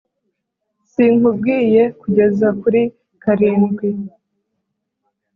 sinkubwiye kugeza kuri karindwi,